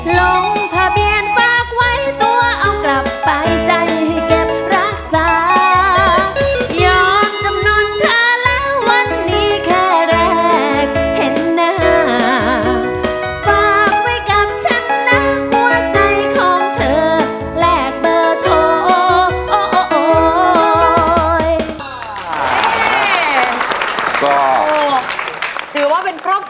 ลงภาเบียนฝากไว้ตัวเอากลับไปใจให้เก็บรักษา